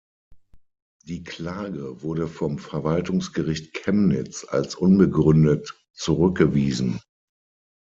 Die Klage wurde vom Verwaltungsgericht Chemnitz als unbegründet zurückgewiesen.